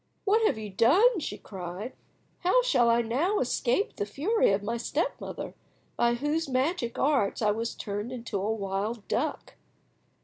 "What have you done?" she cried. "How shall I now escape the fury of my step mother, by whose magic arts I was turned into a wild duck?"